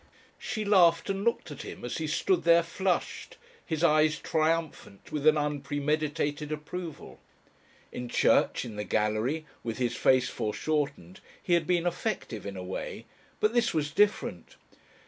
She laughed and looked at him as he stood there flushed, his eyes triumphant, with an unpremeditated approval. In church, in the gallery, with his face foreshortened, he had been effective in a way, but this was different.